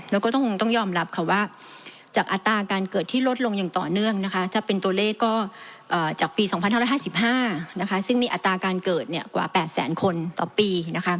แล้วก็ต้องยอมรับค่ะว่าจากอัตราการเกิดที่ลดลงอย่างต่อเนื่องนะคะถ้าเป็นตัวเลขก็จากปี๒๕๕๕ซึ่งมีอัตราการเกิดกว่า๘แสนคนต่อปี